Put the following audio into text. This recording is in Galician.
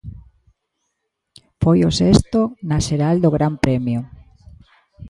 Foi o sexto na xeral do gran premio.